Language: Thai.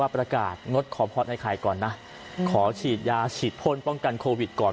ประกาศงดขอพรไอ้ไข่ก่อนนะขอฉีดยาฉีดพ่นป้องกันโควิดก่อน